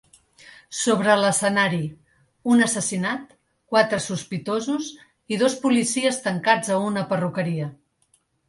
Sobre l’escenari: un assassinat, quatre sospitosos i dos policies tancats a una perruqueria.